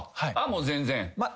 ああもう全然？